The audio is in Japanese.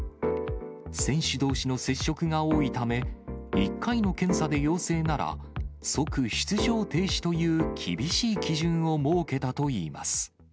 選手どうしの接触が多いため、１回の検査で陽性なら、即出場停止という厳しい基準を設けたといいます。